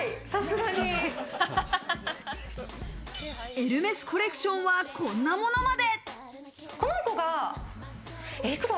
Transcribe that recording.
エルメスコレクションはこんなものまで。